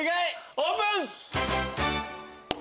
オープン！